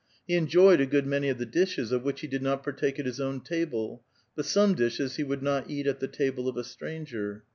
He enjoyed a good manj' of the dishes of which he [lid not partake at his own table, but some dishes he would not eat at the table of a stranger.